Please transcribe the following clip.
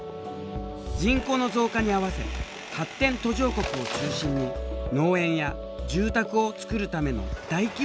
人口の増加に合わせ発展途上国を中心に農園や住宅を造るための大規模な開発が進行。